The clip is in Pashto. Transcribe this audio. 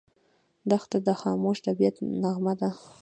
دښته د خاموش طبعیت نغمه ده.